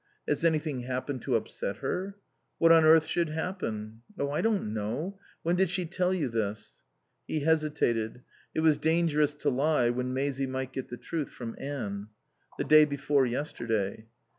"Has anything happened to upset her?" "What on earth should happen?" "Oh, I don't know. When did she tell you this?" He hesitated. It was dangerous to lie when Maisie might get the truth from Anne. "The day before yesterday."